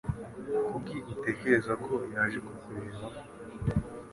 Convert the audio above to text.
Kuki utekereza ko yaje kukureba?